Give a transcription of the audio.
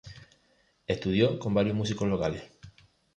Estudió con varios músicos locales.